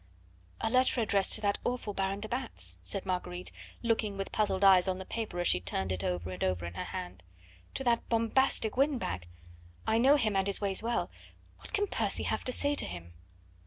"A letter addressed to that awful Baron de Batz," said Marguerite, looking with puzzled eyes on the paper as she turned it over and over in her hand, "to that bombastic windbag! I know him and his ways well! What can Percy have to say to him?"